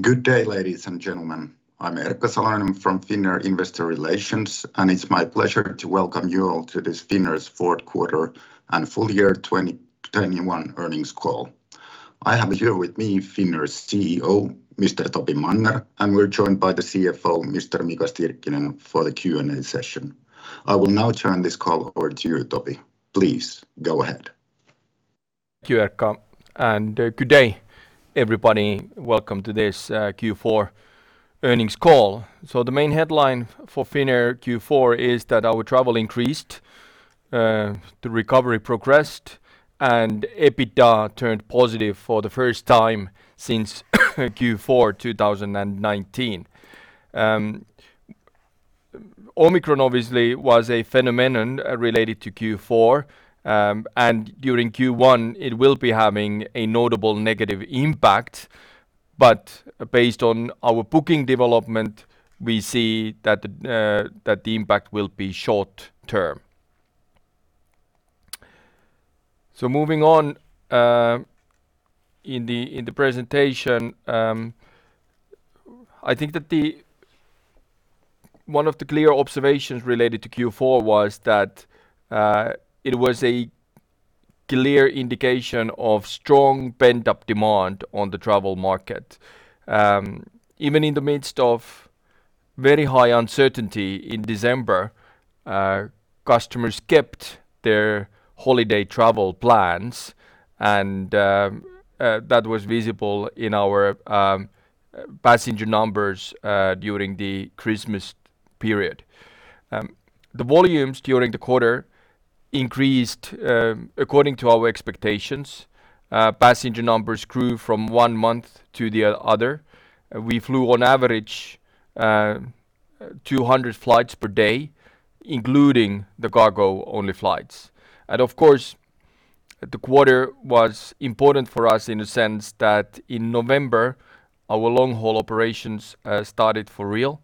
Good day, ladies and gentlemen. I'm Erkka Salonen from Finnair Investor Relations, and it's my pleasure to welcome you all to this Finnair's fourth quarter and full year 2021 earnings call. I have here with me Finnair's Chief Executive Officer, Mr. Topi Manner, and we're joined by the Chief Financial Officer, Mr. Mika Stirkkinen, for the Q&A session. I will now turn this call over to you, Topi. Please, go ahead. Thank you, Erkka. Good day, everybody. Welcome to this Q4 earnings call. The main headline for Finnair Q4 is that our travel increased, the recovery progressed, and EBITDA turned positive for the first time since Q4 2019. Omicron obviously was a phenomenon related to Q4, and during Q1 it will be having a notable negative impact. Based on our booking development, we see that the impact will be short-term. Moving on, in the presentation, I think that one of the clear observations related to Q4 was that it was a clear indication of strong pent-up demand on the travel market. Even in the midst of very high uncertainty in December, customers kept their holiday travel plans and that was visible in our passenger numbers during the Christmas period. The volumes during the quarter increased according to our expectations. Passenger numbers grew from one month to the other. We flew on average 200 flights per day, including the cargo-only flights. Of course, the quarter was important for us in the sense that in November, our long-haul operations started for real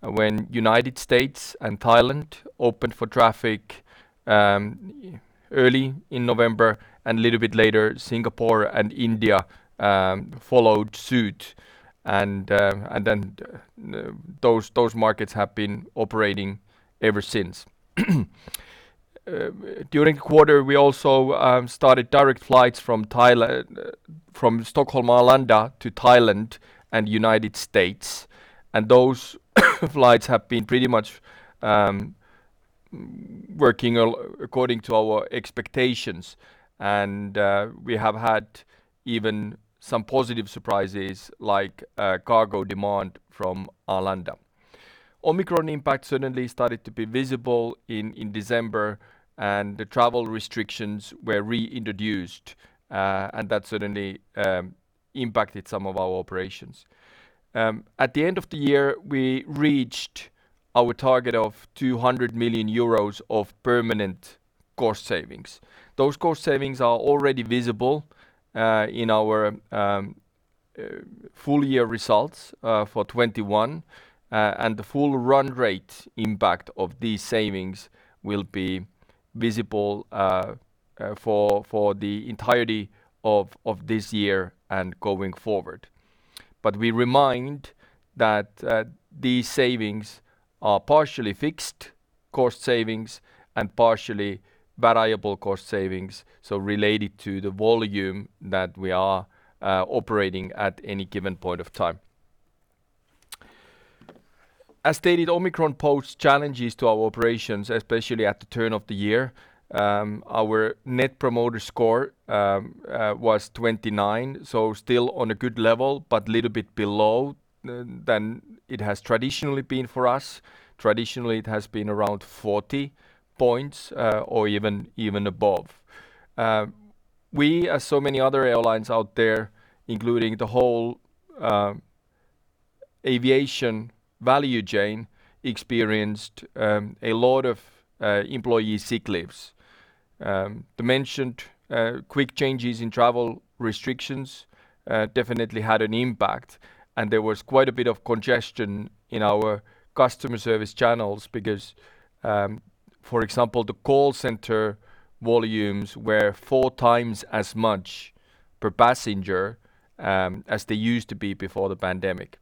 when United States and Thailand opened for traffic early in November, and a little bit later, Singapore and India followed suit. Then those markets have been operating ever since. During the quarter, we also started direct flights from Stockholm Arlanda to Thailand and United States. Those flights have been pretty much working according to our expectations. We have had even some positive surprises like cargo demand from Arlanda. Omicron impact suddenly started to be visible in December, and the travel restrictions were reintroduced, and that suddenly impacted some of our operations. At the end of the year, we reached our target of 200 million euros of permanent cost savings. Those cost savings are already visible in our full year results for 2021. The full run rate impact of these savings will be visible for the entirety of this year and going forward. We remind that these savings are partially fixed cost savings and partially variable cost savings, so related to the volume that we are operating at any given point of time. As stated, Omicron posed challenges to our operations, especially at the turn of the year. Our net promoter score was 29, so still on a good level, but little bit below than it has traditionally been for us. Traditionally, it has been around 40 points or even above. We, as so many other airlines out there, including the whole aviation value chain, experienced a lot of employee sick leaves. The mentioned quick changes in travel restrictions definitely had an impact and there was quite a bit of congestion in our customer service channels because, for example, the call center volumes were four times as much per passenger as they used to be before the pandemic.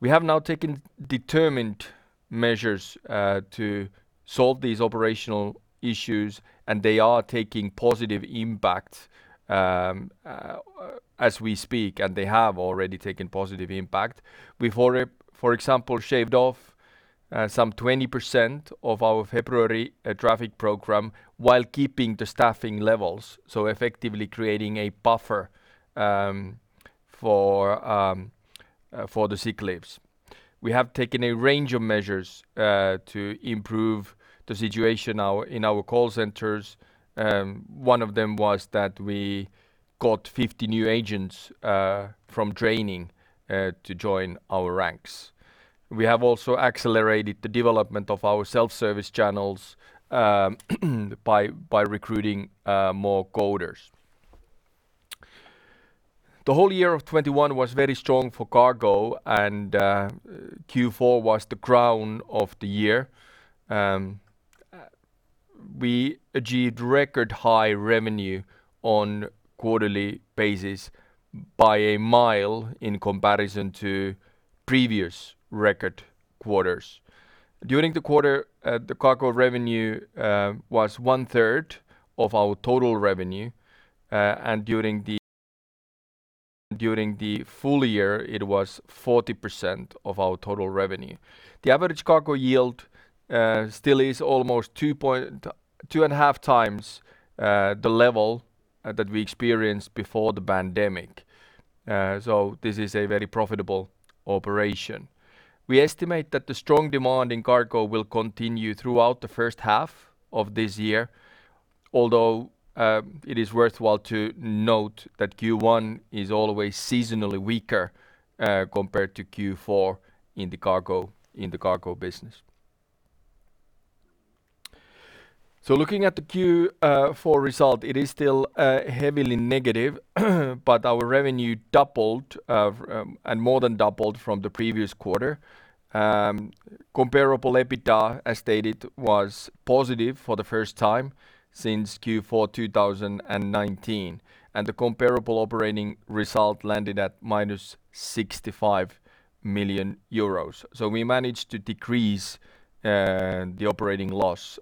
We have now taken determined measures to solve these operational issues, and they are taking positive impact as we speak, and they have already taken positive impact. We've already, for example, shaved off some 20% of our February traffic program while keeping the staffing levels, so effectively creating a buffer for the sick leaves. We have taken a range of measures to improve the situation in our call centers. One of them was that we got 50 new agents from training to join our ranks. We have also accelerated the development of our self-service channels by recruiting more coders. The whole year of 2021 was very strong for cargo and Q4 was the crown of the year. We achieved record high revenue on quarterly basis by a mile in comparison to previous record quarters. During the quarter, the cargo revenue was 1/3 of our total revenue. During the full year, it was 40% of our total revenue. The average cargo yield still is almost 2.5 times the level that we experienced before the pandemic. This is a very profitable operation. We estimate that the strong demand in cargo will continue throughout the first half of this year, although it is worthwhile to note that Q1 is always seasonally weaker compared to Q4 in the cargo business. Looking at the Q4 result, it is still heavily negative, but our revenue doubled and more than doubled from the previous quarter. Comparable EBITDA, as stated, was positive for the first time since Q4 2019, and the comparable operating result landed at -65 million euros. We managed to decrease the operating loss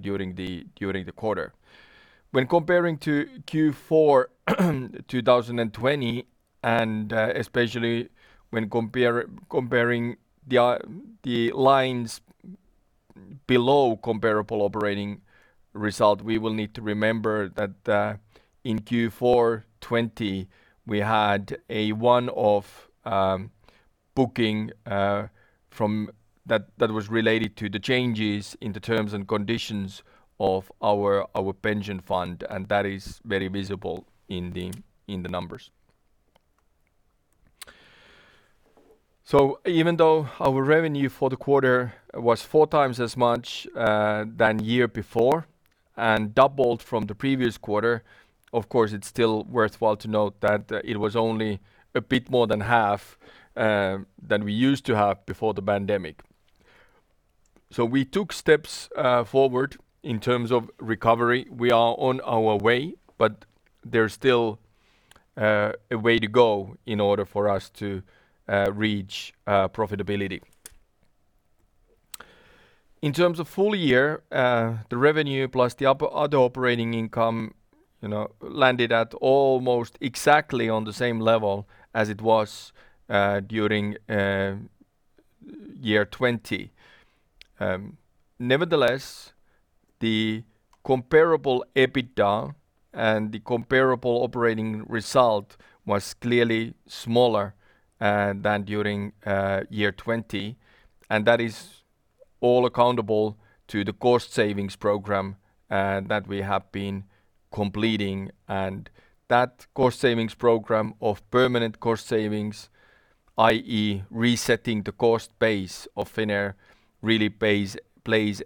during the quarter. When comparing to Q4 2020 and especially when comparing the lines below comparable operating result, we will need to remember that in Q4 2020, we had a one-off booking from... That was related to the changes in the terms and conditions of our pension fund, and that is very visible in the numbers. Even though our revenue for the quarter was four times as much than year before and doubled from the previous quarter, of course it's still worthwhile to note that it was only a bit more than half than we used to have before the pandemic. We took steps forward in terms of recovery. We are on our way, but there's still a way to go in order for us to reach profitability. In terms of full year, the revenue plus the other operating income, you know, landed at almost exactly on the same level as it was during 2020. Nevertheless, the comparable EBITDA and the comparable operating result was clearly smaller than during year 2020, and that is all accountable to the cost savings program that we have been completing. That cost savings program of permanent cost savings, i.e., resetting the cost base of Finnair, really plays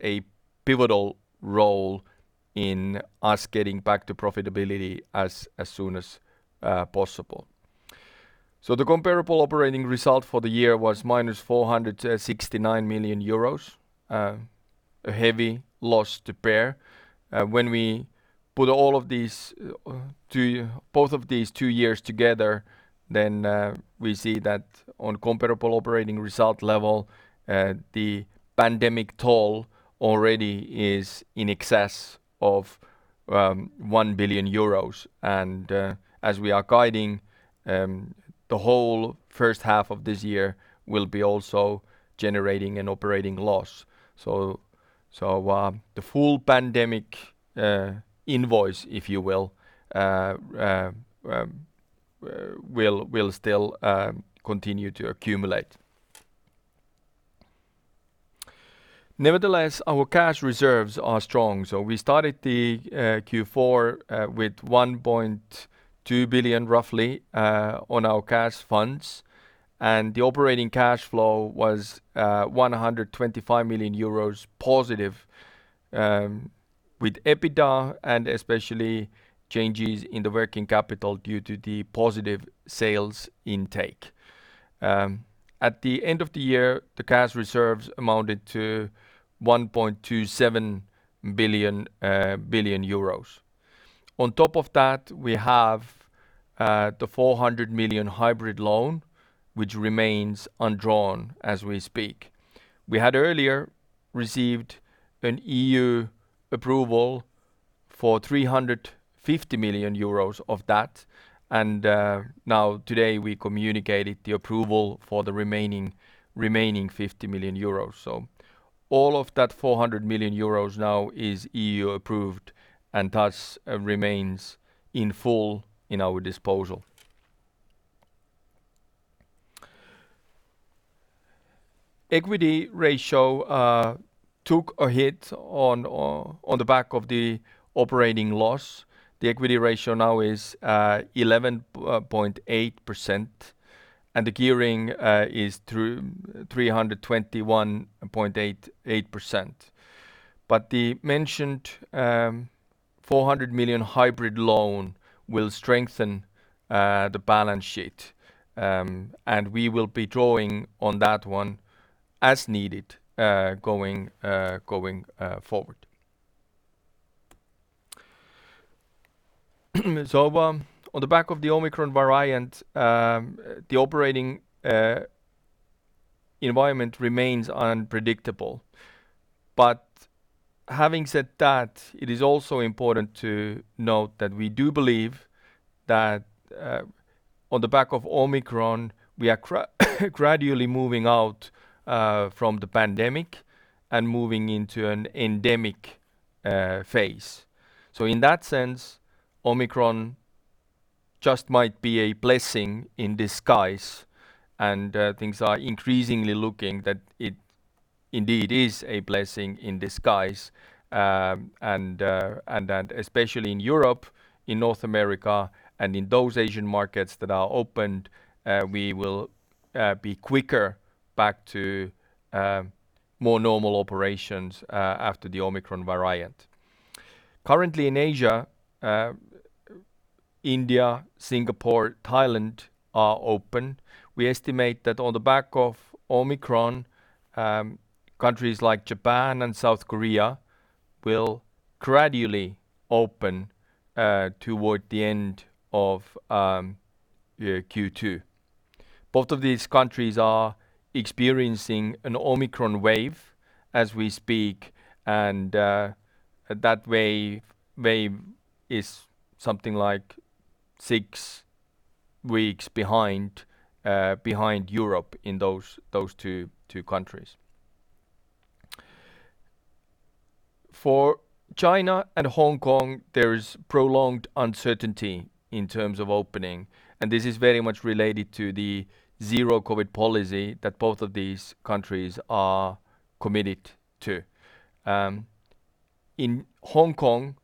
a pivotal role in us getting back to profitability as soon as possible. The comparable operating result for the year was -469 million euros. A heavy loss to bear. When we put all of these both of these two years together, then we see that on comparable operating result level, the pandemic toll already is in excess of 1 billion euros. As we are guiding, the whole first half of this year will be also generating an operating loss. The full pandemic impact, if you will still continue to accumulate. Nevertheless, our cash reserves are strong. We started the Q4 with roughly 1.2 billion on our cash funds, and the operating cash flow was positive 125 million euros, with EBITDA and especially changes in the working capital due to the positive sales intake. At the end of the year, the cash reserves amounted to 1.27 billion. On top of that, we have the 400 million hybrid loan, which remains undrawn as we speak. We had earlier received an EU approval for 350 million euros of that and now today we communicated the approval for the remaining 50 million euros. All of that 400 million euros now is EU approved and thus remains fully at our disposal. Equity ratio took a hit on the back of the operating loss. The equity ratio now is 11.8%, and the gearing is 321.8%. The mentioned 400 million hybrid loan will strengthen the balance sheet. We will be drawing on that one as needed going forward. On the back of the Omicron variant, the operating environment remains unpredictable. Having said that, it is also important to note that we do believe that on the back of Omicron, we are gradually moving out from the pandemic and moving into an endemic phase. In that sense, Omicron just might be a blessing in disguise, and things are increasingly looking that it indeed is a blessing in disguise. Especially in Europe, in North America, and in those Asian markets that are opened, we will be quicker back to more normal operations after the Omicron variant. Currently in Asia, India, Singapore, Thailand are open. We estimate that on the back of Omicron, countries like Japan and South Korea will gradually open toward the end of Q2. Both of these countries are experiencing an Omicron wave as we speak, and that wave is something like six weeks behind Europe in those two countries. For China and Hong Kong, there is prolonged uncertainty in terms of opening, and this is very much related to the zero COVID policy that both of these countries are committed to. In Hong Kong,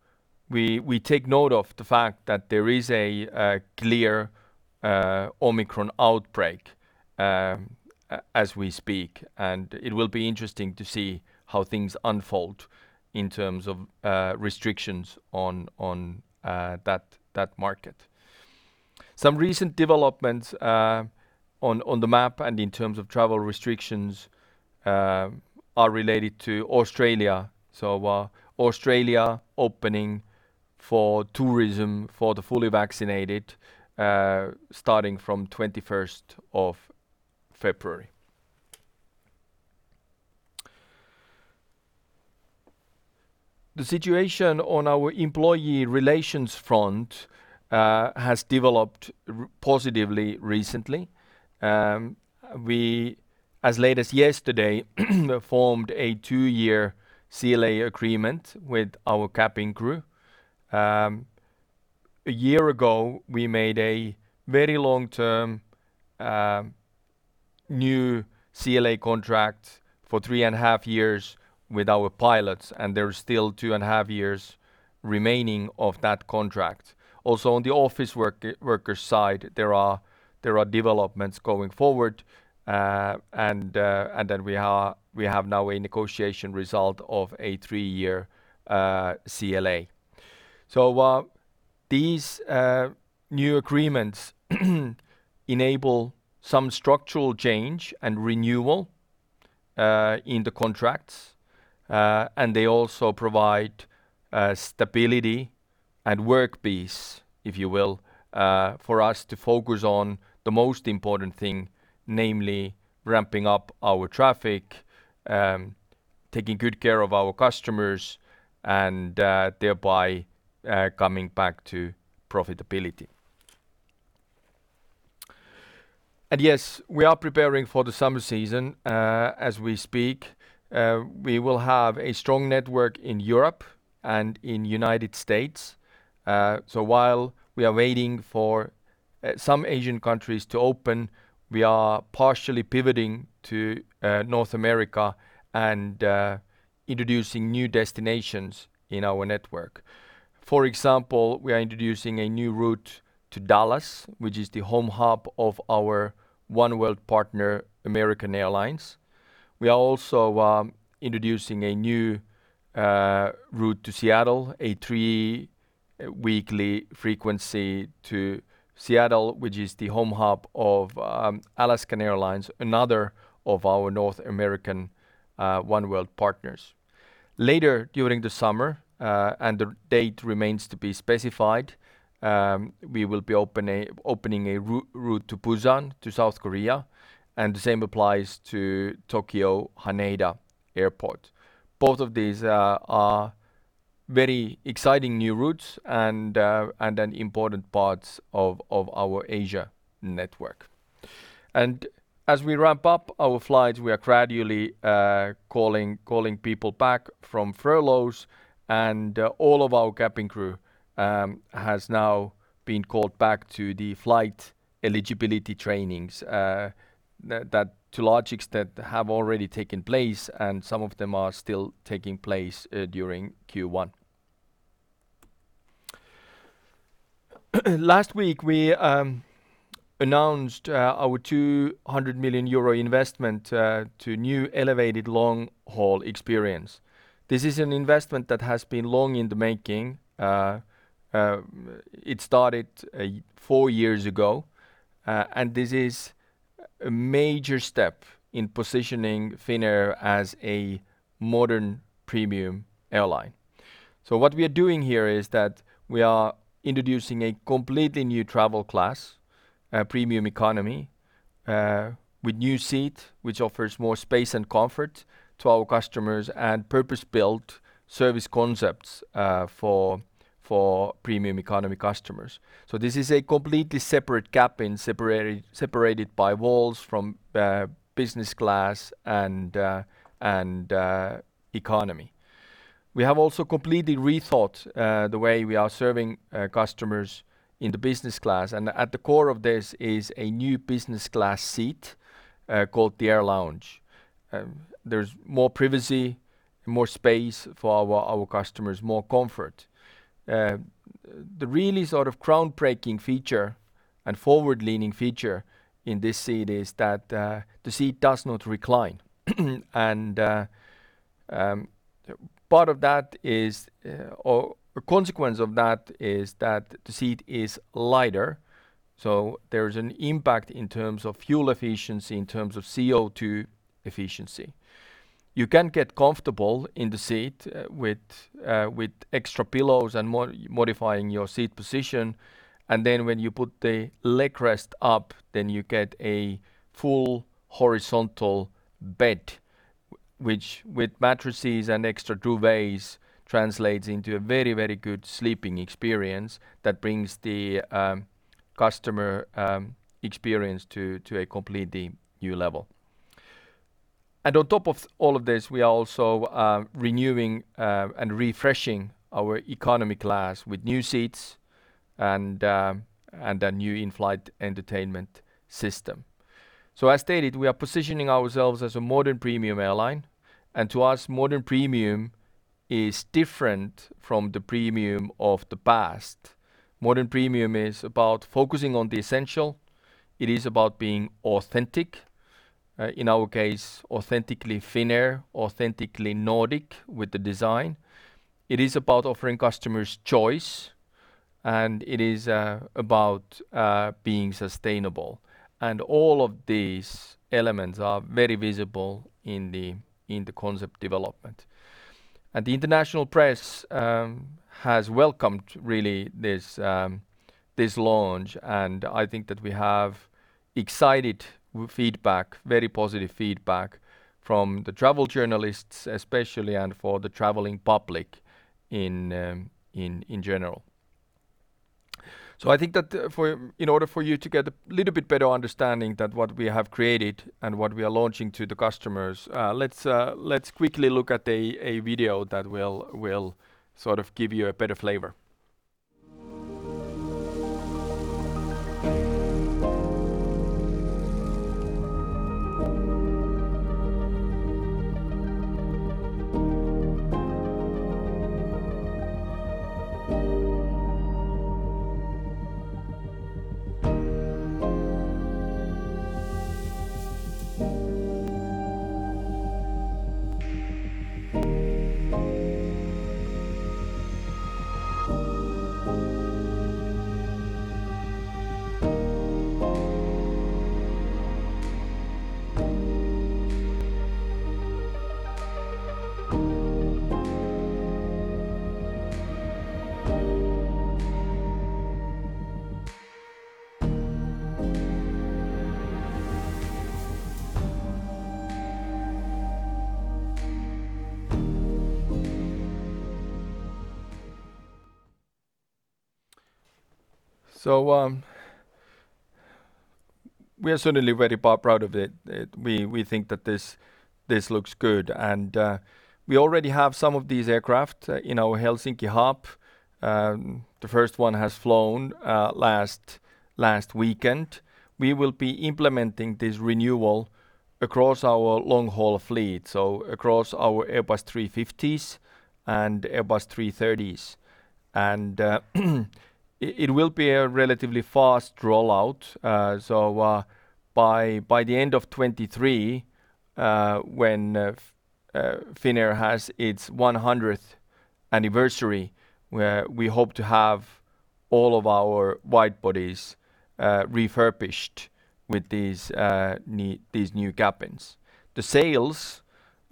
we take note of the fact that there is a clear Omicron outbreak as we speak, and it will be interesting to see how things unfold in terms of restrictions on that market. Some recent developments on the map and in terms of travel restrictions are related to Australia. Australia opening for tourism for the fully vaccinated starting from 21st of February. The situation on our employee relations front has developed positively recently. We, as late as yesterday, formed a two-year CLA agreement with our cabin crew. A year ago, we made a very long-term, new CLA contract for three and a half years with our pilots, and there are still two and a half years remaining of that contract. Also, on the office worker side, there are developments going forward, and then we have now a negotiation result of a three-year, CLA. These new agreements enable some structural change and renewal, in the contracts, and they also provide, stability and work peace, if you will, for us to focus on the most important thing, namely ramping up our traffic, taking good care of our customers and, thereby, coming back to profitability. Yes, we are preparing for the summer season, as we speak. We will have a strong network in Europe and in United States. While we are waiting for some Asian countries to open, we are partially pivoting to North America and introducing new destinations in our network. For example, we are introducing a new route to Dallas, which is the home hub of our oneworld partner, American Airlines. We are also introducing a new route to Seattle, a three weekly frequency to Seattle, which is the home hub of Alaska Airlines, another of our North American oneworld partners. Later during the summer and the date remains to be specified, we will be opening a route to Busan, to South Korea, and the same applies to Tokyo Haneda Airport. Both of these are very exciting new routes and then important parts of our Asia network. As we ramp up our flights, we are gradually calling people back from furloughs and all of our cabin crew has now been called back to the flight eligibility trainings that have already taken place, and some of them are still taking place during Q1. Last week we announced our 200 million euro investment to new elevated long-haul experience. This is an investment that has been long in the making. It started four years ago, and this is a major step in positioning Finnair as a modern premium airline. What we are doing here is that we are introducing a completely new travel class, a premium economy, with new seat, which offers more space and comfort to our customers and purpose-built service concepts, for premium economy customers. This is a completely separate cabin separated by walls from business class and economy. We have also completely rethought the way we are serving customers in the business class and at the core of this is a new business class seat called the AirLounge. There's more privacy, more space for our customers, more comfort. The really sort of groundbreaking feature and forward-leaning feature in this seat is that the seat does not recline. Part of that is, or a consequence of that is that the seat is lighter, so there's an impact in terms of fuel efficiency, in terms of CO2 efficiency. You can get comfortable in the seat, with extra pillows and modifying your seat position, and then when you put the leg rest up, you get a full horizontal bed which with mattresses and extra duvets translates into a very, very good sleeping experience that brings the customer experience to a completely new level. On top of all of this, we are also renewing and refreshing our economy class with new seats and a new in-flight entertainment system. As stated, we are positioning ourselves as a modern premium airline, and to us, modern premium is different from the premium of the past. Modern premium is about focusing on the essential. It is about being authentic, in our case, authentically Finnair, authentically Nordic with the design. It is about offering customers choice, and it is about being sustainable. All of these elements are very visible in the concept development. The international press has welcomed really this launch, and I think that we have exciting feedback, very positive feedback from the travel journalists especially and for the traveling public in general. I think that in order for you to get a little bit better understanding that what we have created and what we are launching to the customers, let's quickly look at a video that will sort of give you a better flavor. We are certainly very proud of it. We think that this looks good and we already have some of these aircraft in our Helsinki hub. The first one has flown last weekend. We will be implementing this renewal across our long-haul fleet, so across our Airbus A350s and Airbus A330s. It will be a relatively fast rollout, so by the end of 2023, when Finnair has its 100th anniversary, where we hope to have all of our wide bodies refurbished with these new cabins. The sales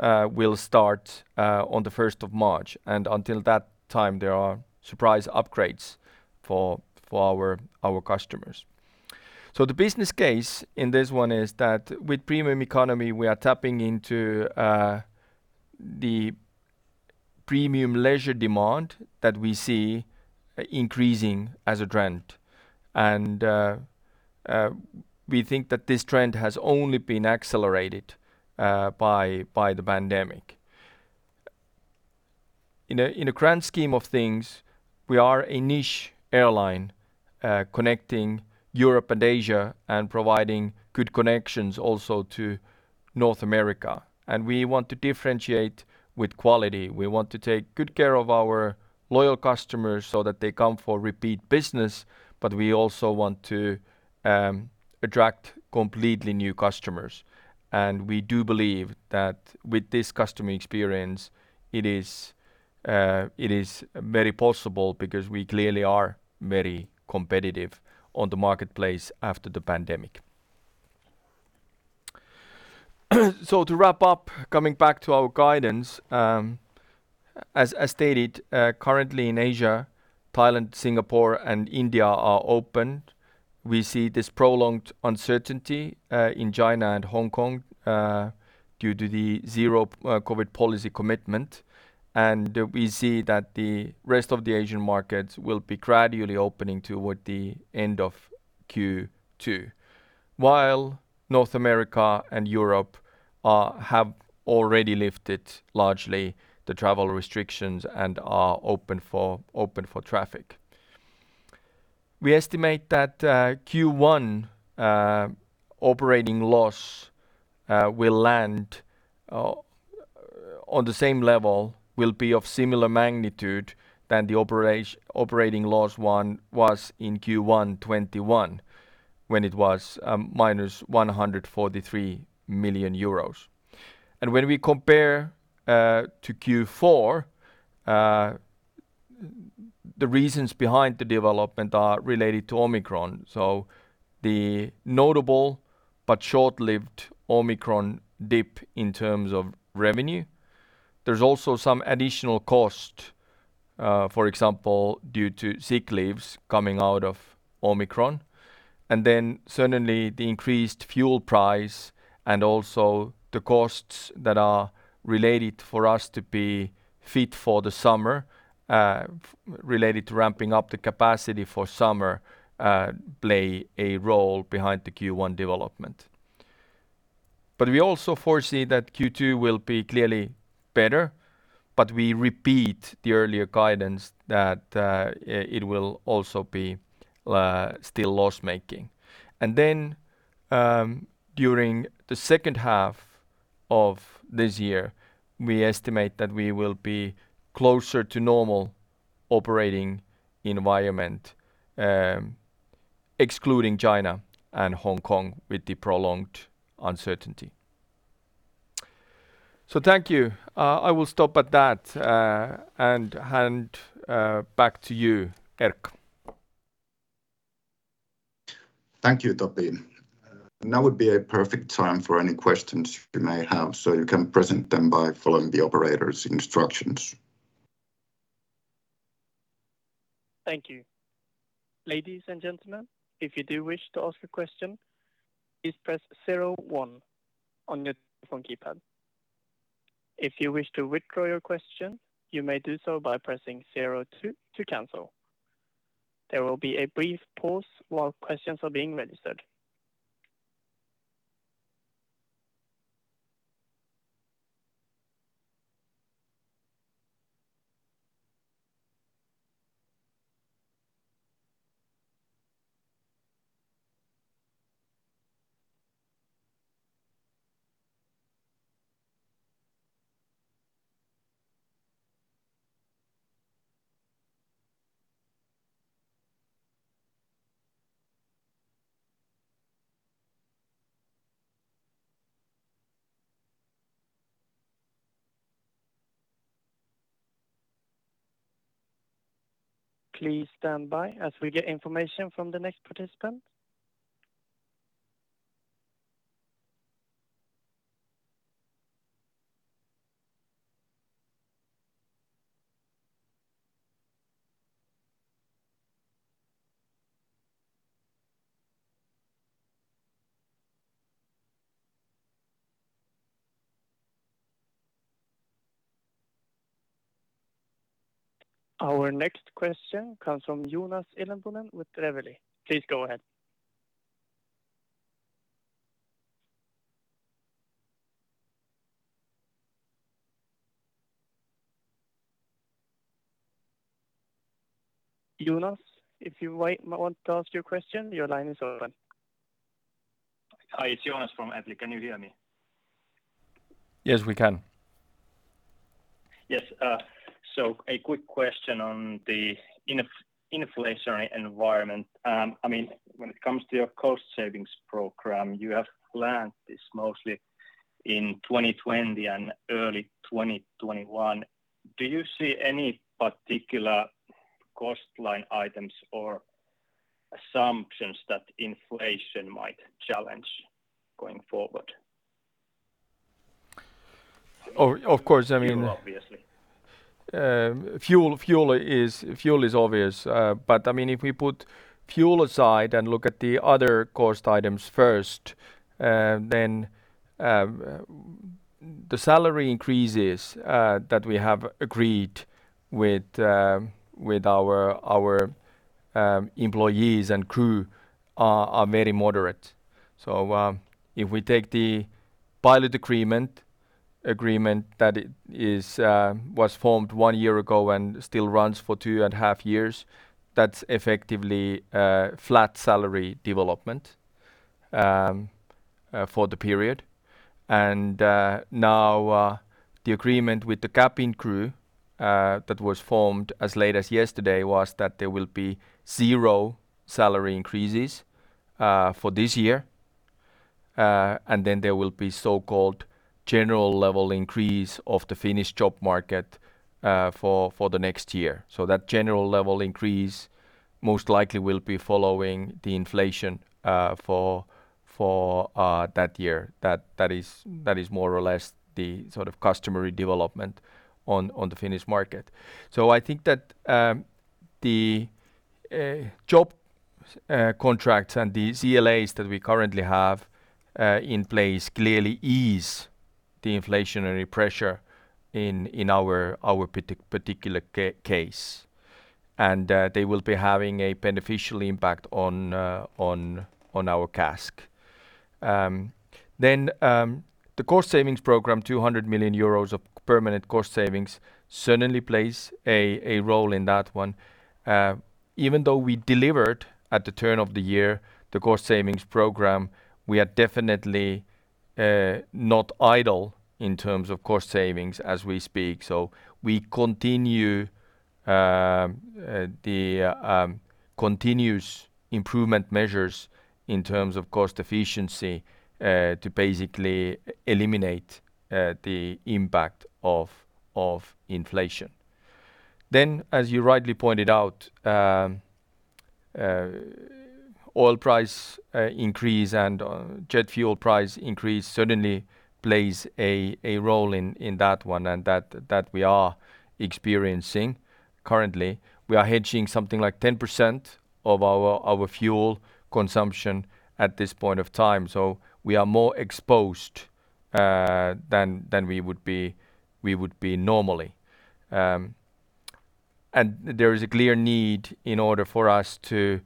will start on the first of March, and until that time there are surprise upgrades for our customers. The business case in this one is that with premium economy, we are tapping into the premium leisure demand that we see increasing as a trend and we think that this trend has only been accelerated by the pandemic. In a grand scheme of things, we are a niche airline connecting Europe and Asia and providing good connections also to North America. We want to differentiate with quality. We want to take good care of our loyal customers so that they come for repeat business, but we also want to attract completely new customers. We do believe that with this customer experience, it is very possible because we clearly are very competitive on the marketplace after the pandemic. To wrap up, coming back to our guidance, as stated, currently in Asia, Thailand, Singapore, and India are open. We see this prolonged uncertainty in China and Hong Kong due to the zero-COVID policy commitment. We see that the rest of the Asian markets will be gradually opening toward the end of Q2. While North America and Europe have already lifted largely the travel restrictions and are open for traffic. We estimate that Q1 operating loss will land on the same level, will be of similar magnitude than the operating loss one was in Q1 2021, when it was -143 million euros. When we compare to Q4, the reasons behind the development are related to Omicron. The notable but short-lived Omicron dip in terms of revenue. There's also some additional cost, for example, due to sick leaves coming out of Omicron. Certainly the increased fuel price and also the costs that are related for us to be fit for the summer, related to ramping up the capacity for summer, play a role behind the Q1 development. We also foresee that Q2 will be clearly better, but we repeat the earlier guidance that it will also be still loss-making. During the second half of this year, we estimate that we will be closer to normal operating environment, excluding China and Hong Kong with the prolonged uncertainty. Thank you. I will stop at that and hand back to you, Erkka. Thank you, Topi. Now would be a perfect time for any questions you may have, so you can present them by following the operator's instructions. Thank you. Ladies and gentlemen, if you do wish to ask a question, please press zero one on your phone keypad. If you wish to withdraw your question, you may do so by pressing zero two to cancel. There will be a brief pause while questions are being registered. Please stand by as we get information from the next participant. Our next question comes from Joonas Ilvonen with Evli. Please go ahead. Joonas, if you want to ask your question, your line is open. Hi, it's Joonas from Evli. Can you hear me? Yes, we can. Yes. A quick question on the inflationary environment. I mean, when it comes to your cost savings program, you have planned this mostly in 2020 and early 2021. Do you see any particular cost line items or assumptions that inflation might challenge going forward? Of course, I mean. Fuel, obviously. Fuel is obvious. But I mean, if we put fuel aside and look at the other cost items first, then the salary increases that we have agreed with our employees and crew are very moderate. If we take the pilot agreement that was formed 1 year ago and still runs for 2.5 years, that's effectively flat salary development for the period. Now, the agreement with the cabin crew that was formed as late as yesterday was that there will be zero salary increases for this year. Then there will be so-called general level increase of the Finnish job market for the next year. That general level increase most likely will be following the inflation for that year. That is more or less the sort of customary development on the Finnish market. I think that the contracts and the CLAs that we currently have in place clearly ease the inflationary pressure in our particular case. They will be having a beneficial impact on our CASK. The cost savings program, 200 million euros of permanent cost savings certainly plays a role in that one. Even though we delivered at the turn of the year the cost savings program, we are definitely not idle in terms of cost savings as we speak. We continue the continuous improvement measures in terms of cost efficiency to basically eliminate the impact of inflation. As you rightly pointed out, oil price increase and jet fuel price increase certainly plays a role in that one and that we are experiencing currently. We are hedging something like 10% of our fuel consumption at this point of time. We are more exposed than we would be normally. There is a clear need in order for us to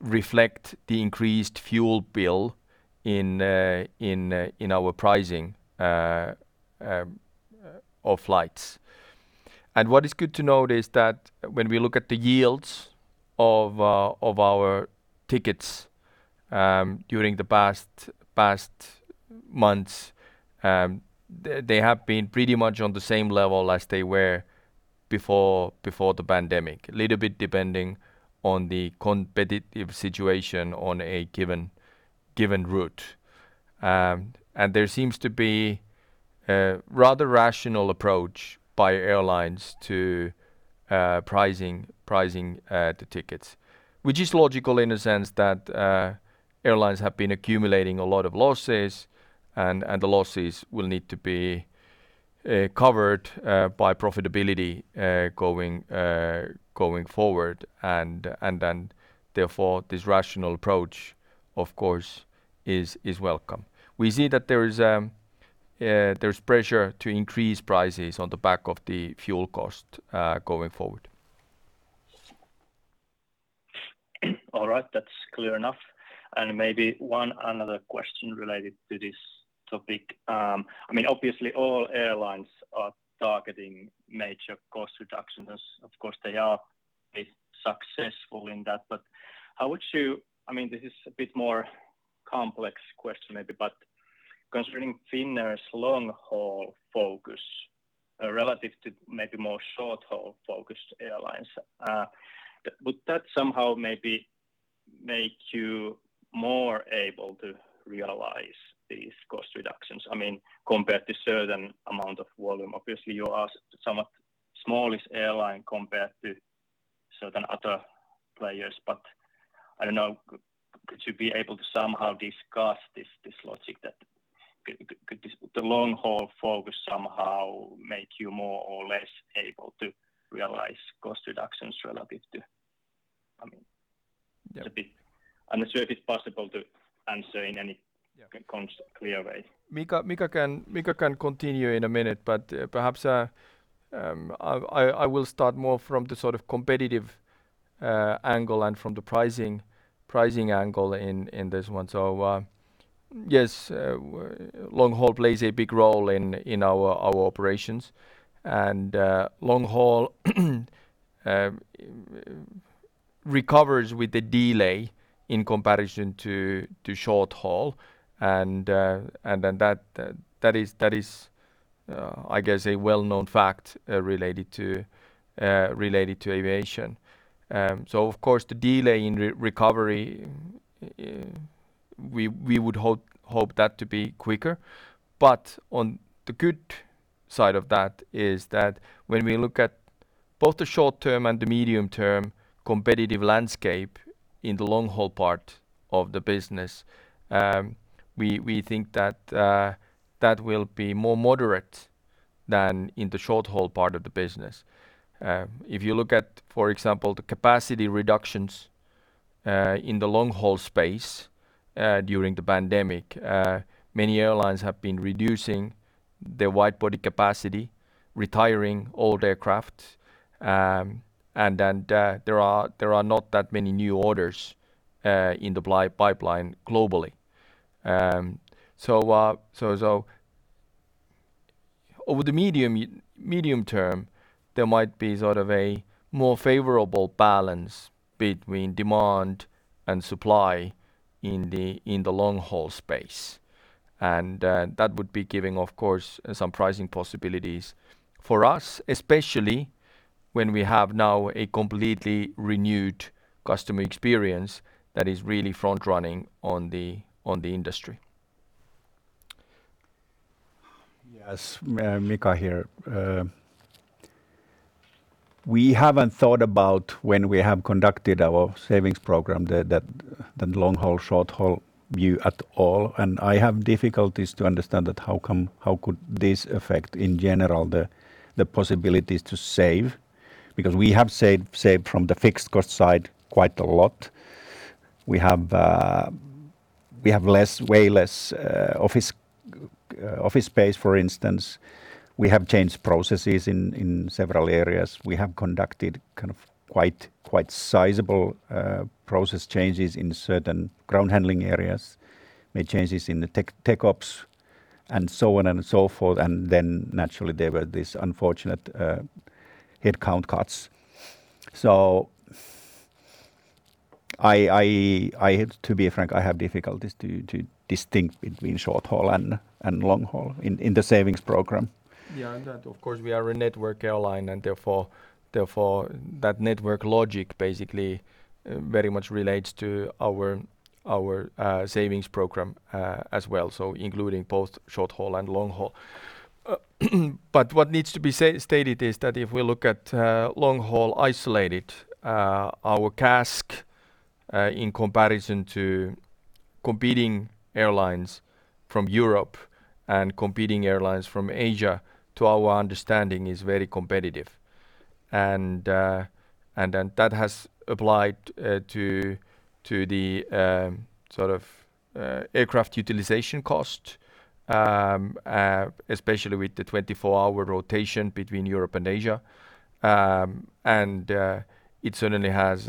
reflect the increased fuel bill in our pricing of flights. What is good to note is that when we look at the yields of our tickets during the past months, they have been pretty much on the same level as they were before the pandemic. A little bit depending on the competitive situation on a given route. There seems to be a rather rational approach by airlines to pricing the tickets. Which is logical in a sense that airlines have been accumulating a lot of losses and the losses will need to be covered by profitability going forward. Then therefore, this rational approach, of course, is welcome. We see that there's pressure to increase prices on the back of the fuel cost going forward. All right. That's clear enough. Maybe one more question related to this topic. I mean, obviously all airlines are targeting major cost reductions. Of course, they are successful in that. How would you I mean, this is a bit more complex question maybe, but considering Finnair's long-haul focus, relative to maybe more short-haul focused airlines, would that somehow maybe make you more able to realize these cost reductions? I mean, compared to certain amount of volume. Obviously, you are somewhat smallest airline compared to certain other players, but I don't know, could you be able to somehow discuss this logic that could this, the long-haul focus somehow make you more or less able to realize cost reductions relative to, I mean Yeah. It's a bit. I'm not sure if it's possible to answer in any clear way. Mika can continue in a minute, but perhaps I will start more from the sort of competitive angle and from the pricing angle in this one. Long haul plays a big role in our operations. Long haul recovers with the delay in comparison to short haul. That is a well-known fact related to aviation. Of course, the delay in recovery we would hope that to be quicker. On the good side of that is that when we look at both the short term and the medium term competitive landscape in the long haul part of the business, we think that will be more moderate than in the short haul part of the business. If you look at, for example, the capacity reductions in the long haul space during the pandemic, many airlines have been reducing their wide-body capacity, retiring old aircraft, and then there are not that many new orders in the buy pipeline globally. So over the medium term, there might be sort of a more favorable balance between demand and supply in the long-haul space. That would be giving, of course, some pricing possibilities for us, especially when we have now a completely renewed customer experience that is really front running on the industry. Yes. Mika here. We haven't thought about when we have conducted our savings program, that long-haul, short-haul view at all. I have difficulties to understand that how come how could this affect in general the possibilities to save because we have saved from the fixed cost side quite a lot. We have way less office space, for instance. We have changed processes in several areas. We have conducted kind of quite sizable process changes in certain ground handling areas, made changes in the tech ops and so on and so forth. Naturally, there were this unfortunate headcount cuts. I had to be frank, I have difficulties to distinguish between short-haul and long-haul in the savings program. That of course we are a network airline and therefore that network logic basically very much relates to our savings program as well. Including both short-haul and long-haul. What needs to be stated is that if we look at long-haul isolated, our CASK in comparison to competing airlines from Europe and competing airlines from Asia to our understanding is very competitive. That has applied to the sort of aircraft utilization cost, especially with the 24-hour rotation between Europe and Asia. It certainly has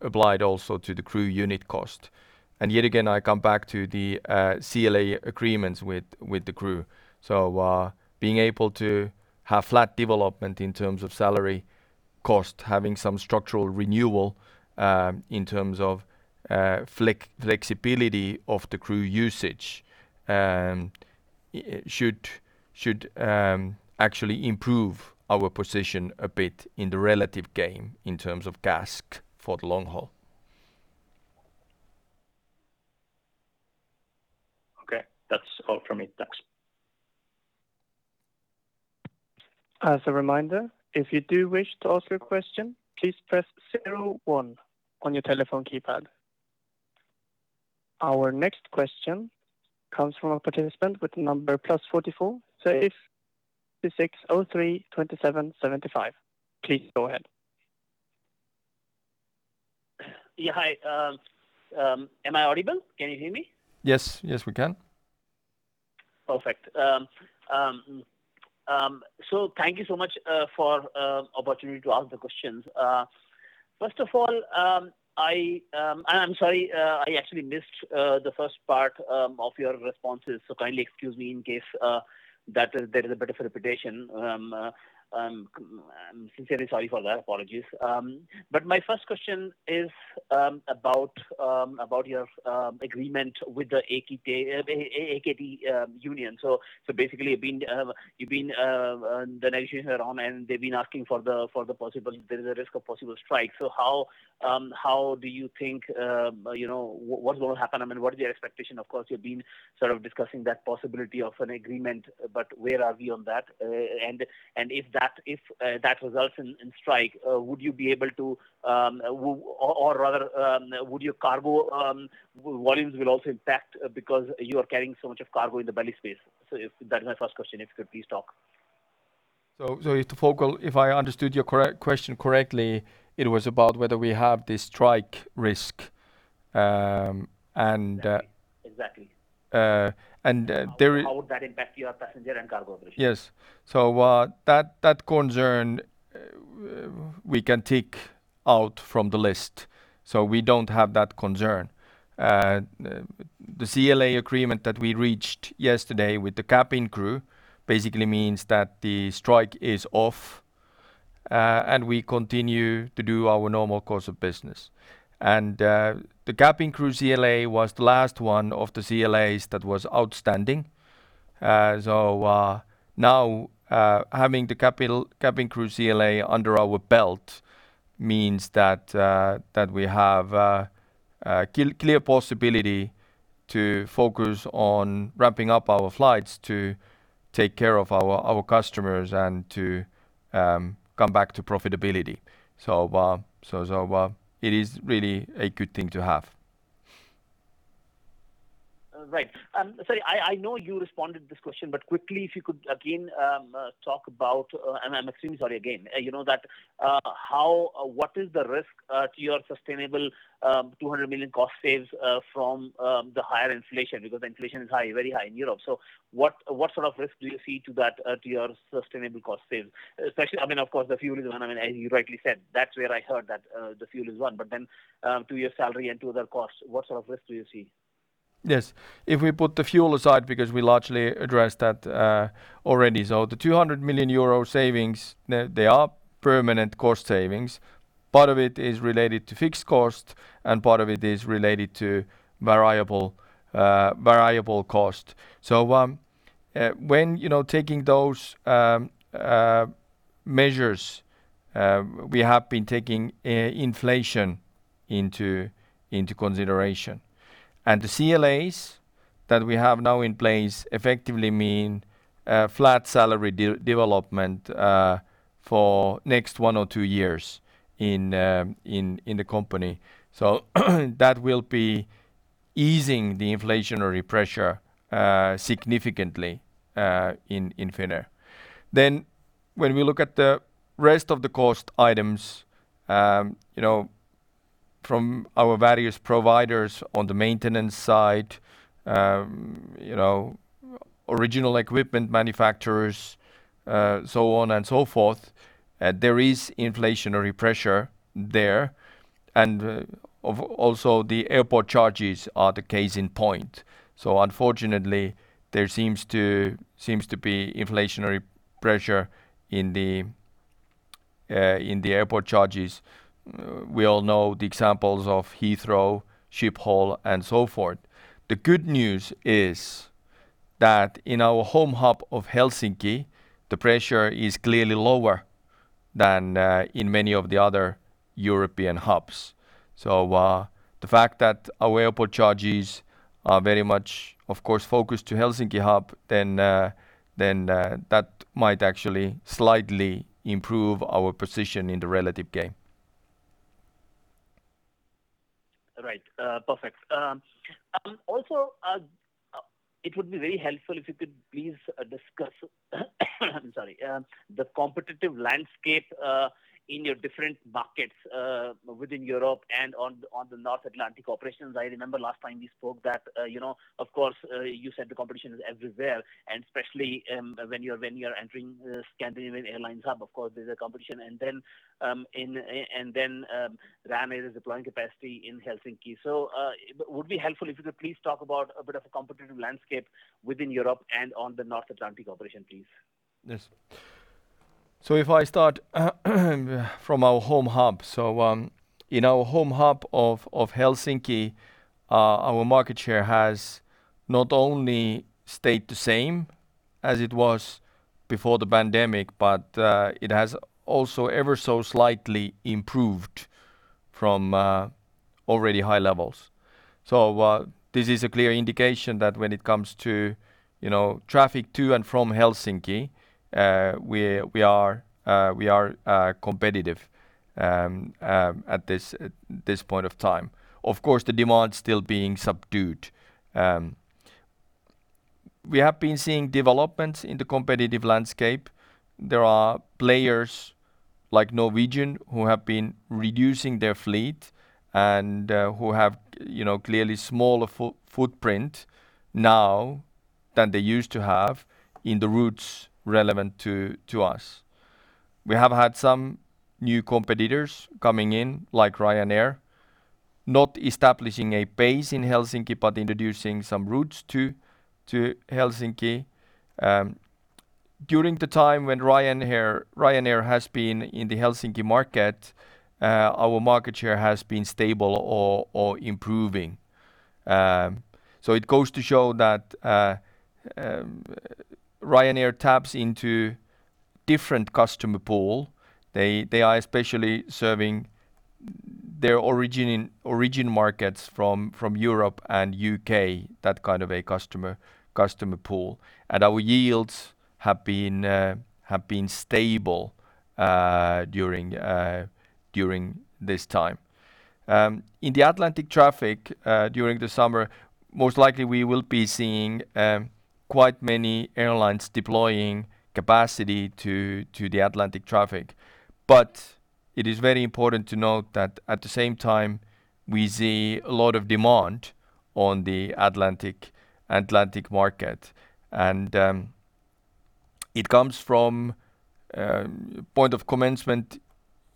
applied also to the crew unit cost. Yet again, I come back to the CLA agreements with the crew. Being able to have flat development in terms of salary cost, having some structural renewal in terms of flexibility of the crew usage, it should actually improve our position a bit in the relative game in terms of CASK for the long haul. Okay. That's all from me. Thanks. As a reminder, if you do wish to ask your question, please press zero one on your telephone keypad. Our next question comes from a participant with number +44 7603 2775. Please go ahead. Yeah. Hi. Am I audible? Can you hear me? Yes. Yes, we can. Perfect. Thank you so much for opportunity to ask the questions. First of all, I'm sorry, I actually missed the first part of your responses, so kindly excuse me in case that there is a bit of repetition. I'm sincerely sorry for that. Apologies. My first question is about your agreement with the AKT union. Basically the negotiations are on, and they've been asking for the possible. There is a risk of possible strike. How do you think, you know, what's gonna happen? I mean, what is your expectation? Of course, you've been sort of discussing that possibility of an agreement, but where are we on that? If that results in strike, would you be able to, or rather, would your cargo volumes will also impact, because you are carrying so much of cargo in the belly space? If that's my first question, if you could please talk. If I understood your question correctly, it was about whether we have the strike risk. Exactly. Uh, and, uh, there i- How would that impact your passenger and cargo operation? Yes. That concern, we can tick out from the list. We don't have that concern. The CLA agreement that we reached yesterday with the cabin crew basically means that the strike is off, and we continue to do our normal course of business. The cabin crew CLA was the last one of the CLAs that was outstanding. Now, having the cabin crew CLA under our belt means that we have a clear possibility to focus on ramping up our flights to take care of our customers and to come back to profitability. It is really a good thing to have. Right. Sorry, I know you responded to this question, but quickly, if you could again, talk about, and I'm extremely sorry again, you know, that, how or what is the risk to your sustainable 200 million cost savings from the higher inflation? Because the inflation is high, very high in Europe. What sort of risk do you see to that, to your sustainable cost savings? Especially, I mean, of course, the fuel is one. I mean, as you rightly said. That's where I heard that, the fuel is one. But then, to your salary and to other costs, what sort of risk do you see? Yes. If we put the fuel aside because we largely addressed that, already. The 200 million euro savings, they are permanent cost savings. Part of it is related to fixed cost, and part of it is related to variable cost. When, you know, taking those measures, we have been taking inflation into consideration. The CLAs that we have now in place effectively mean flat salary de-development for next one or two years in the company. That will be easing the inflationary pressure significantly in Finnair. When we look at the rest of the cost items, you know, from our various providers on the maintenance side, you know, original equipment manufacturers, so on and so forth, there is inflationary pressure there. Also, the airport charges are a case in point. Unfortunately, there seems to be inflationary pressure in the airport charges. We all know the examples of Heathrow, Schiphol and so forth. The good news is that in our home hub of Helsinki, the pressure is clearly lower than in many of the other European hubs. The fact that our airport charges are very much, of course, focused on Helsinki hub, then that might actually slightly improve our position in the relative game. Right. Perfect. Also, it would be very helpful if you could please discuss, sorry, the competitive landscape in your different markets within Europe and on the North Atlantic operations. I remember last time we spoke that, you know, of course, you said the competition is everywhere and especially when you're entering the Scandinavian Airlines hub, of course there's a competition and then Ryanair is deploying capacity in Helsinki. Would it be helpful if you could please talk about a bit of a competitive landscape within Europe and on the North Atlantic operation, please? Yes. If I start from our home hub. In our home hub of Helsinki, our market share has not only stayed the same as it was before the pandemic, but it has also ever so slightly improved from already high levels. This is a clear indication that when it comes to, you know, traffic to and from Helsinki, we are competitive at this point of time. Of course, the demand still being subdued, we have been seeing developments in the competitive landscape. There are players like Norwegian who have been reducing their fleet and who have, you know, clearly smaller footprint now than they used to have in the routes relevant to us. We have had some new competitors coming in, like Ryanair, not establishing a base in Helsinki, but introducing some routes to Helsinki. During the time when Ryanair has been in the Helsinki market, our market share has been stable or improving. It goes to show that Ryanair taps into different customer pool. They are especially serving their origin markets from Europe and U.K., that kind of a customer pool. Our yields have been stable during this time. In the Atlantic traffic, during the summer, most likely we will be seeing quite many airlines deploying capacity to the Atlantic traffic. It is very important to note that at the same time, we see a lot of demand on the Atlantic market, and it comes from point of commencement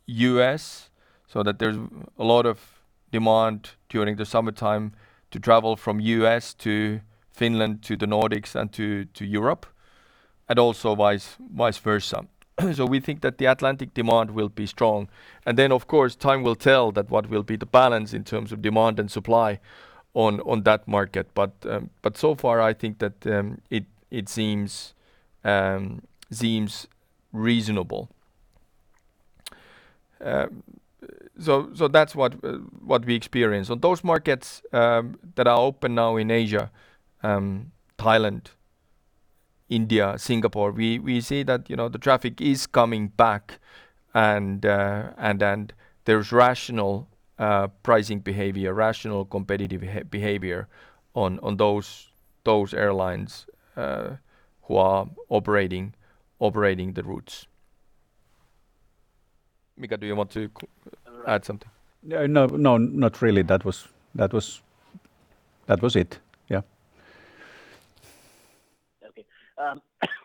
U.S., so that there's a lot of demand during the summertime to travel from U.S. to Finland, to the Nordics and to Europe, and also vice versa. We think that the Atlantic demand will be strong. Of course, time will tell what will be the balance in terms of demand and supply on that market. So far, I think that it seems reasonable. That's what we experience. On those markets that are open now in Asia, Thailand, India, Singapore. We see that, you know, the traffic is coming back and there's rational pricing behavior, rational competitive behavior on those airlines who are operating the routes. Mika, do you want to add something? No, not really. That was it. Yeah.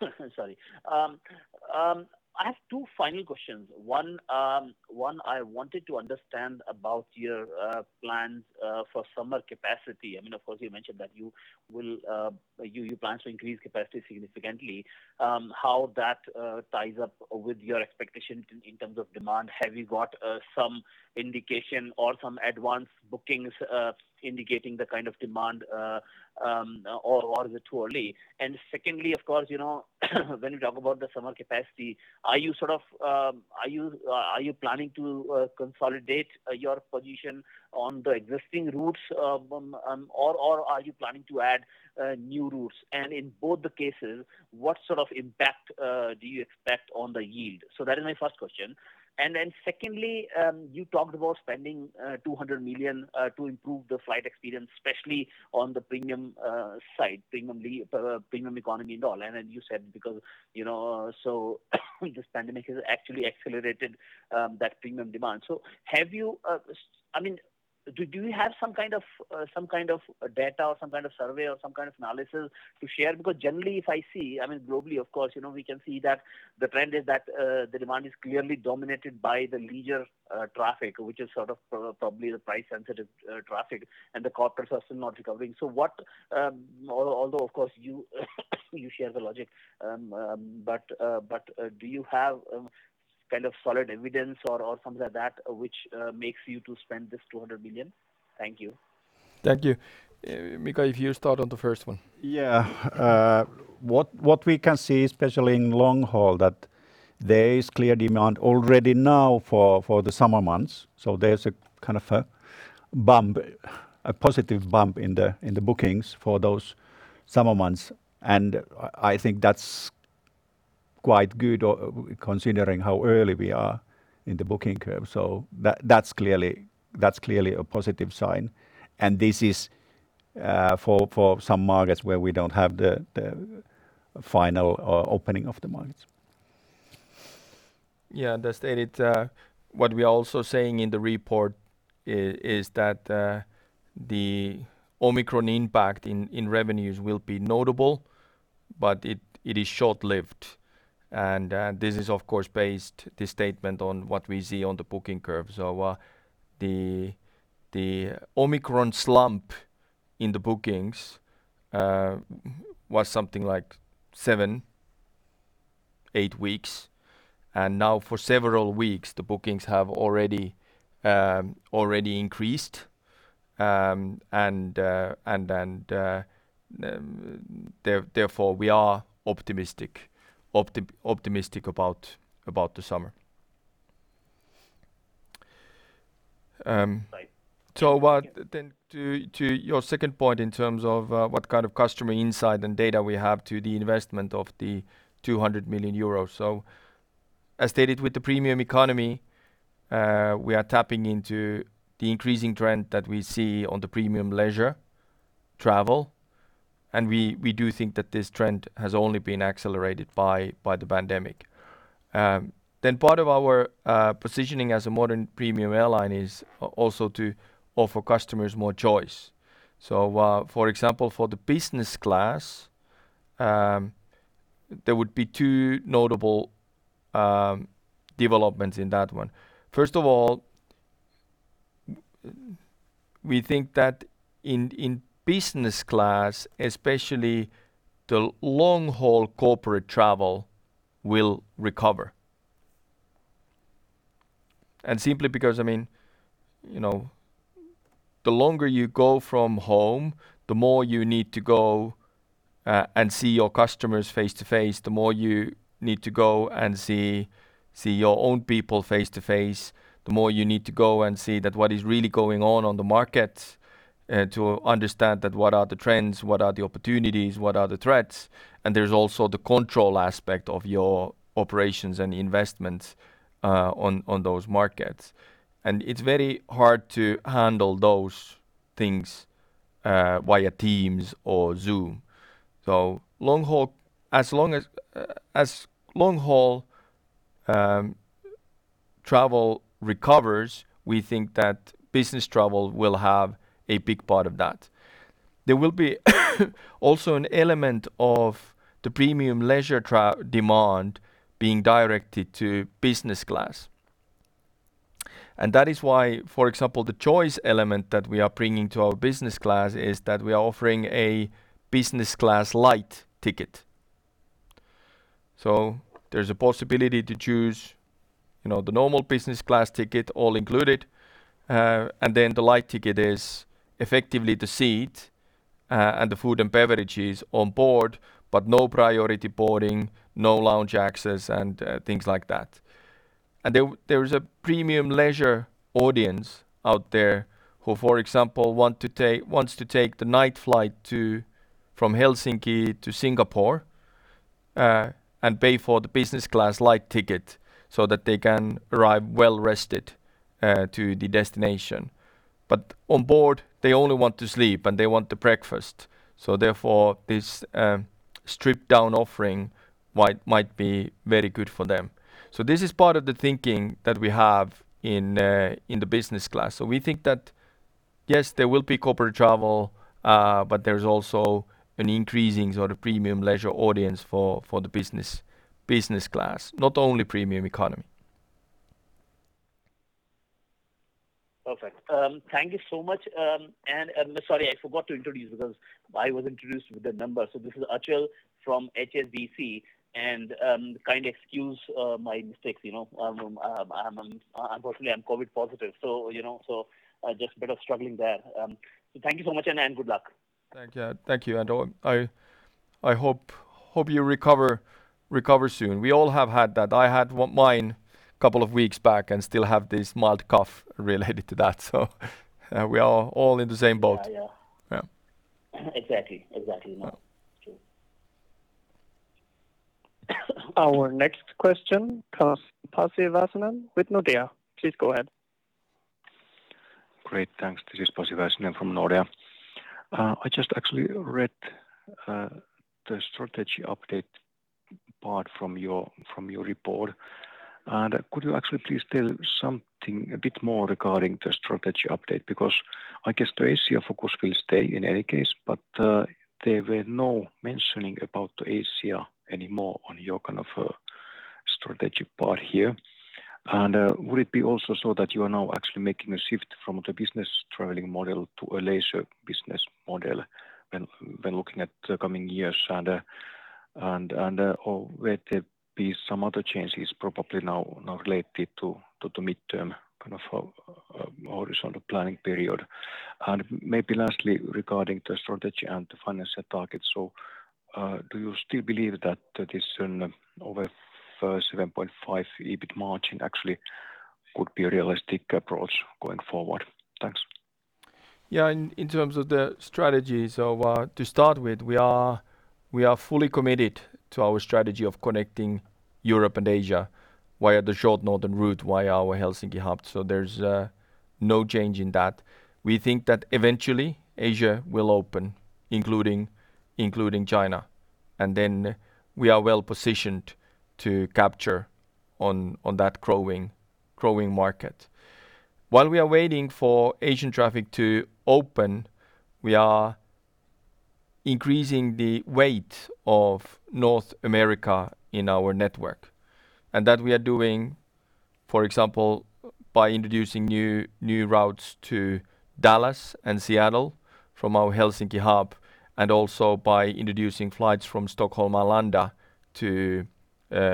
Okay. Sorry. I have two final questions. One, I wanted to understand about your plans for summer capacity. I mean, of course, you mentioned that you plan to increase capacity significantly. How that ties up with your expectations in terms of demand? Have you got some indication or some advanced bookings indicating the kind of demand or is it too early? Secondly, of course, you know, when you talk about the summer capacity, are you sort of planning to consolidate your position on the existing routes or are you planning to add new routes? And in both the cases, what sort of impact do you expect on the yield? That is my first question. Then secondly, you talked about spending 200 million to improve the flight experience, especially on the premium side, premium economy and all. Then you said because, you know, so this pandemic has actually accelerated that premium demand. Have you, I mean, do you have some kind of data or some kind of survey or some kind of analysis to share? Because generally if I see, I mean, globally of course, you know, we can see that the trend is that the demand is clearly dominated by the leisure traffic, which is sort of probably the price-sensitive traffic. The corporates are still not recovering. What, although of course you share the logic. Do you have kind of solid evidence or something like that which makes you to spend this 200 million? Thank you. Thank you. Mika, if you start on the first one. What we can see especially in long haul is that there is clear demand already now for the summer months. There's a kind of a bump, a positive bump in the bookings for those summer months. I think that's quite good, considering how early we are in the booking curve. That's clearly a positive sign. This is for some markets where we don't have the final opening of the markets. Yeah. As stated, what we are also saying in the report is that the Omicron impact in revenues will be notable, but it is short-lived. This is of course based on what we see on the booking curve. The Omicron slump in the bookings was something like 7-8 weeks. Now for several weeks, the bookings have already increased. Therefore we are optimistic about the summer. Right. To your second point in terms of what kind of customer insight and data we have to the investment of 200 million euros. As stated with the premium economy, we are tapping into the increasing trend that we see on the premium leisure travel. We do think that this trend has only been accelerated by the pandemic. Part of our positioning as a modern premium airline is also to offer customers more choice. For example, for the business class, there would be two notable developments in that one. First of all, we think that in business class especially, the long haul corporate travel will recover. Simply because, I mean, you know, the longer you go from home, the more you need to go and see your customers face-to-face, the more you need to go and see your own people face-to-face, the more you need to go and see that what is really going on on the market to understand that what are the trends, what are the opportunities, what are the threats. There's also the control aspect of your operations and investments on those markets. It's very hard to handle those things via Teams or Zoom. Long haul, as long as long haul travel recovers, we think that business travel will have a big part of that. There will also be an element of the premium leisure demand being directed to business class. That is why, for example, the choice element that we are bringing to our business class is that we are offering a business class light ticket. There's a possibility to choose, you know, the normal business class ticket all included. And then the light ticket is effectively the seat, and the food and beverages on board, but no priority boarding, no lounge access and, things like that. There is a premium leisure audience out there who, for example, want to take the night flight from Helsinki to Singapore, and pay for the business class light ticket so that they can arrive well-rested to the destination. On board, they only want to sleep and they want the breakfast. Therefore, this stripped-down offering might be very good for them. This is part of the thinking that we have in the business class. We think that yes, there will be corporate travel, but there's also an increasing sort of premium leisure audience for the business class, not only premium economy. Perfect. Thank you so much. Sorry, I forgot to introduce because I was introduced with a number. This is Achal from HSBC, and kindly excuse my mistakes, you know. Unfortunately, I'm COVID positive, so you know, just a bit of struggling there. Thank you so much and good luck. Thank you. I hope you recover soon. We all have had that. I had mine couple of weeks back and still have this mild cough related to that. We are all in the same boat. Yeah, yeah. Yeah. Exactly. No, true. Our next question, Pasi Väisänen with Nordea. Please go ahead. Great. Thanks. This is Pasi Väisänen from Nordea. I just actually read the strategy update part from your report. Could you actually please tell something a bit more regarding the strategy update? Because I guess the Asia focus will stay in any case, but there were no mentioning about Asia anymore on your kind of a strategy part here. Would it be also so that you are now actually making a shift from the business traveling model to a leisure business model when looking at the coming years and or will there be some other changes probably now related to the midterm kind of horizontal planning period? Maybe lastly, regarding the strategy and the financial targets. Do you still believe that is over 7.5% EBIT margin actually could be a realistic approach going forward? Thanks. Yeah. In terms of the strategy. To start with, we are fully committed to our strategy of connecting Europe and Asia via the short northern route, via our Helsinki hub. There's no change in that. We think that eventually Asia will open, including China, and then we are well positioned to capture on that growing market. While we are waiting for Asian traffic to open, we are increasing the weight of North America in our network. That we are doing, for example, by introducing new routes to Dallas and Seattle from our Helsinki hub, and also by introducing flights from Stockholm Arlanda to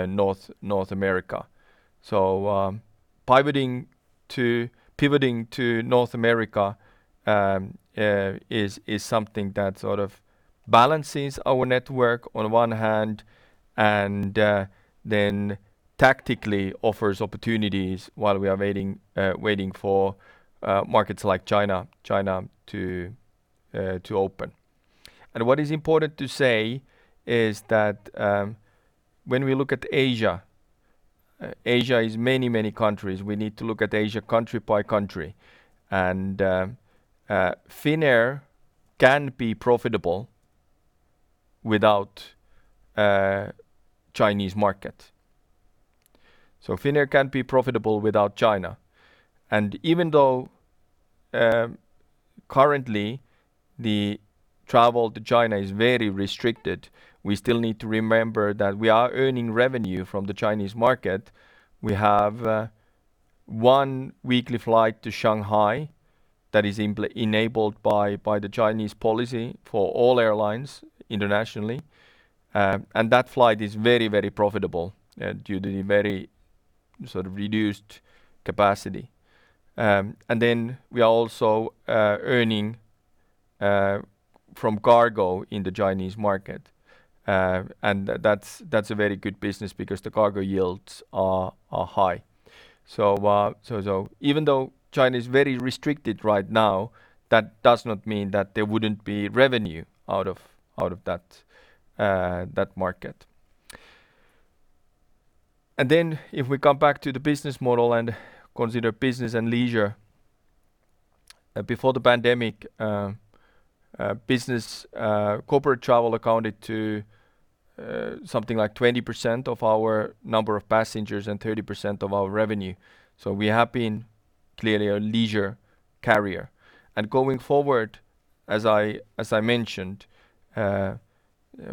North America. Pivoting to North America is something that sort of balances our network on one hand and then tactically offers opportunities while we are waiting for markets like China to open. What is important to say is that when we look at Asia is many countries. We need to look at Asia country by country. Finnair can be profitable without Chinese market. Finnair can be profitable without China. Even though currently the travel to China is very restricted, we still need to remember that we are earning revenue from the Chinese market. We have one weekly flight to Shanghai that is enabled by the Chinese policy for all airlines internationally. That flight is very, very profitable due to the very sort of reduced capacity. We are also earning from cargo in the Chinese market. That's a very good business because the cargo yields are high. Even though China is very restricted right now, that does not mean that there wouldn't be revenue out of that market. If we come back to the business model and consider business and leisure before the pandemic, business corporate travel accounted for something like 20% of our number of passengers and 30% of our revenue. We have been clearly a leisure carrier. Going forward, as I mentioned,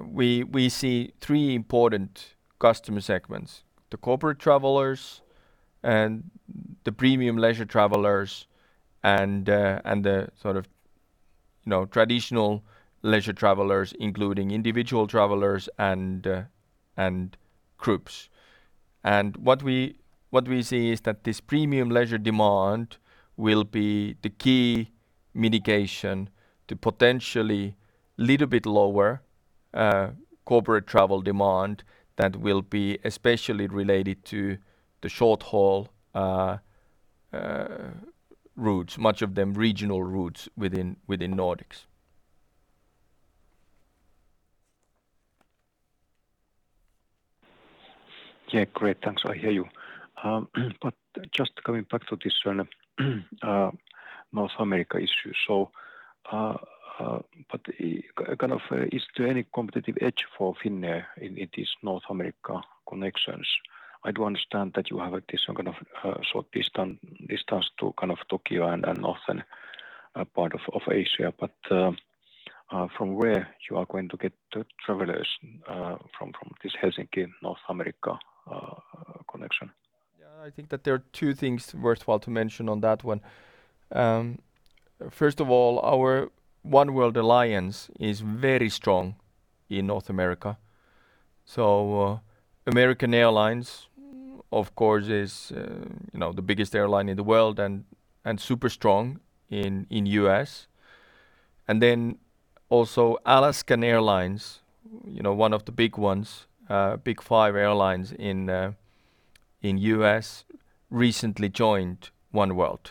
we see three important customer segments, the corporate travelers and the premium leisure travelers and the sort of, you know, traditional leisure travelers, including individual travelers and groups. What we see is that this premium leisure demand will be the key mitigation to potentially a little bit lower corporate travel demand that will be especially related to the short haul routes, much of them regional routes within Nordics. Yeah, great. Thanks. I hear you. Just coming back to this one, North America issue. Kind of, is there any competitive edge for Finnair in these North America connections? I do understand that you have this kind of short distance to kind of Tokyo and Northern part of Asia. From where you are going to get the travelers from this Helsinki-North America connection? Yeah. I think that there are two things worthwhile to mention on that one. First of all, our oneworld alliance is very strong in North America. American Airlines, of course, is you know the biggest airline in the world and super strong in U.S. Then also Alaska Airlines, you know, one of the big ones, big five airlines in U.S., recently joined oneworld.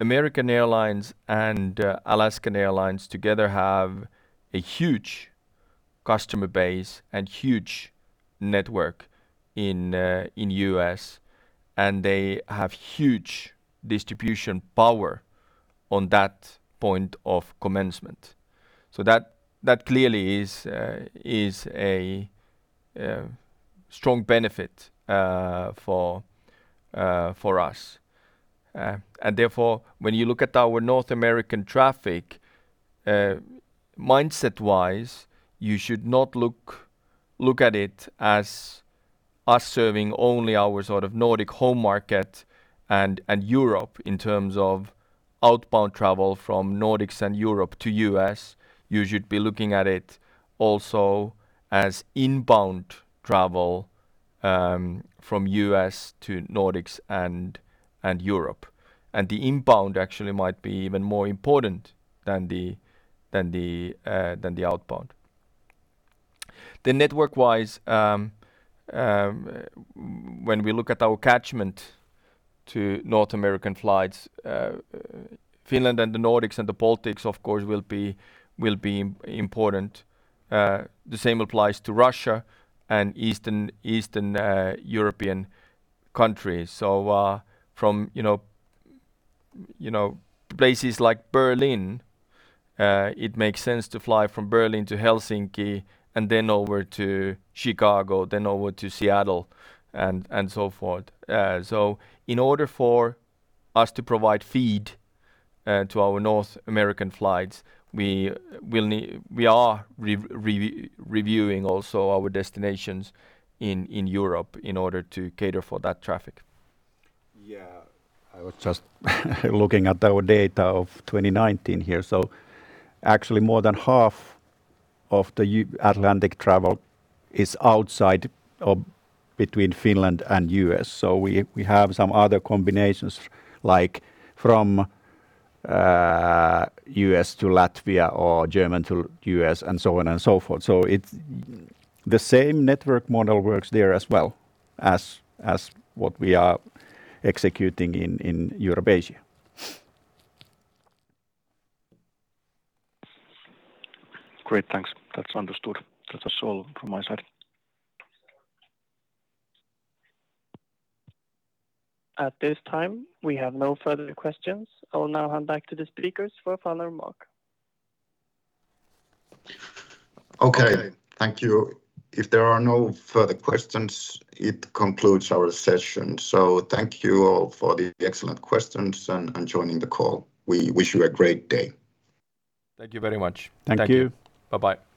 American Airlines and Alaska Airlines together have a huge customer base and huge network in U.S., and they have huge distribution power on that point of commencement. That clearly is a strong benefit for us. Therefore, when you look at our North American traffic, mindset-wise, you should not look at it as us serving only our sort of Nordic home market and Europe in terms of outbound travel from Nordics and Europe to U.S. You should be looking at it also as inbound travel from U.S. to Nordics and Europe. The inbound actually might be even more important than the outbound. Network-wise, when we look at our catchment to North American flights, Finland and the Nordics and the Baltics, of course, will be important. The same applies to Russia and Eastern European countries. From, you know, places like Berlin, it makes sense to fly from Berlin to Helsinki and then over to Chicago, then over to Seattle and so forth. In order for us to provide feed to our North American flights, we are reviewing also our destinations in Europe in order to cater for that traffic. Yeah. I was just looking at our data of 2019 here. Actually more than half of the transatlantic travel is outside of between Finland and U.S. We have some other combinations like from U.S. to Latvia or Germany to U.S. and so on and so forth. The same network model works there as well as what we are executing in Europe, Asia. Great. Thanks. That's understood. That is all from my side. At this time, we have no further questions. I will now hand back to the speakers for a final remark. Okay. Thank you. If there are no further questions, it concludes our session. Thank you all for the excellent questions and joining the call. We wish you a great day. Thank you very much. Thank you. Thank you. Bye-bye.